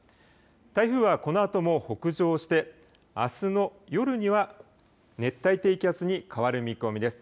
台風はこのあとも北上してあすの夜には熱帯低気圧に変わる見込みです。